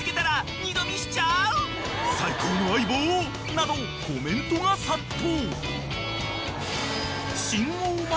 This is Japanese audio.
［などコメントが殺到］